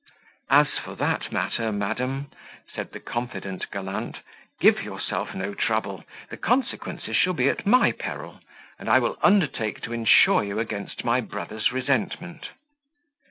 "As for that matter, madam," said the confident gallant, "give yourself no trouble; the consequences shall be at my peril; and I will undertake to insure you against my brother's resentment."